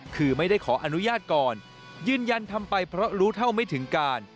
คือไม่ได้ขออนุญาตก่อนยืนยันทำไปเพราะรู้เท่าไม่ถึงการ